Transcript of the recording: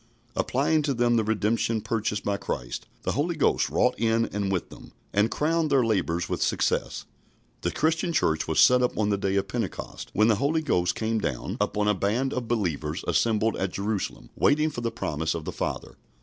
Applying to them the redemption purchased by Christ, the Holy Ghost wrought in and with them, and crowned their labours with success. The Christian Church was set up on the day of Pentecost, when the Holy Ghost came down upon a band of believers assembled at Jerusalem waiting for the promise of the Father.